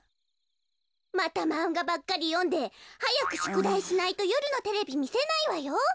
またまんがばっかりよんではやくしゅくだいしないとよるのテレビみせないわよ。